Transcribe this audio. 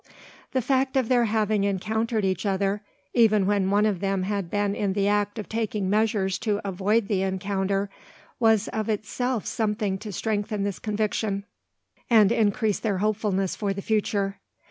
The fact of their having encountered each other even when one of them had been in the act of taking measures to avoid the encounter was of itself something to strengthen this conviction, and increase their hopefulness for the future.